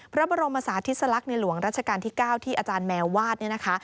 พระบรมศาธิสลักษณ์ในหลวงราชการที่๙ที่อาจารย์แมววาดเนี่ยนะคะ